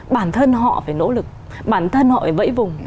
bản thân họ phải nỗ lực bản thân họ phải vẫy vùng